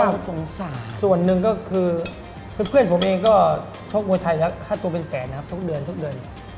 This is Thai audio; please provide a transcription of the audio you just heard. มันส่วนหนึ่งก็คือเพื่อนผมเองก็ชกมวยไทยและฆ่าตัวเป็นแสนนะครับทุกเดือน